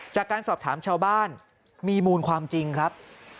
จากการสอบถามชาวบ้านมีมูลความจริงครับ